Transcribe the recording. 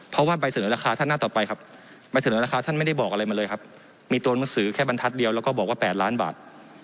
เพราะว่าใบเสนอราคาท่านหน้าต่อไปครับใบเสนอราคาท่านไม่ได้บอกอะไรมาเลยครับมีตัวหนังสือแค่บรรทัศน์เดียวแล้วก็บอกว่า๘ล้านบาท